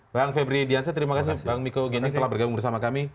bang febri diansyah terima kasih bang miko gening telah bergabung bersama kami